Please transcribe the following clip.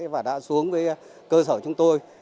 và đã xuống với cơ sở chúng tôi